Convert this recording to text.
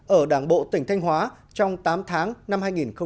ở đảng bộ tỉnh thanh hóa trong tám tháng năm hai nghìn một mươi chín